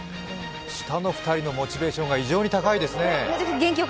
下の２人のモチベーションが異常に高いですね。